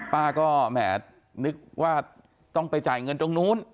ป้าก็แหมนึกว่าต้องไปจ่ายเงินตรงนู้น